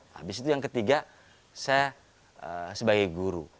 habis itu yang ketiga saya sebagai guru